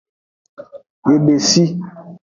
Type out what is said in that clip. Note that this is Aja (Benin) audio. Yebesi.